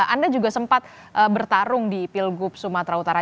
anda juga sempat bertarung di pilgub sumatera utara